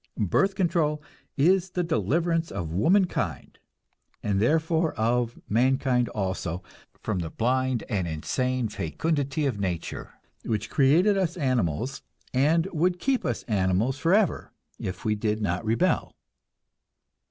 Birth control is the deliverance of womankind, and therefore of mankind also, from the blind and insane fecundity of nature, which created us animals, and would keep us animals forever if we did not rebel.